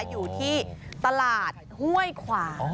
อยู่ที่ตลาดห้วยขวาง